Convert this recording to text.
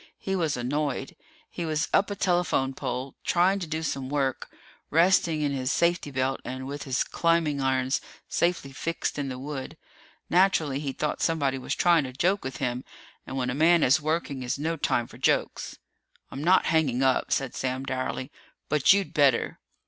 He was annoyed. He was up a telephone pole, trying to do some work, resting in his safety belt and with his climbing irons safely fixed in the wood. Naturally, he thought somebody was trying to joke with him, and when a man is working is no time for jokes. "I'm not hanging up," said Sam dourly, "but you'd better!"